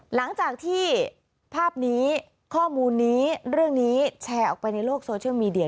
หลังจากที่ภาพนี้ข้อมูลนี้เรื่องนี้แชร์ออกไปในโลกโซเชียลมีเดีย